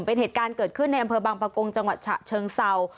เป็นเหตุการณ์เกิดขึ้นในอำเภอบางประกงจังหวัดฉะเชิงเศร้า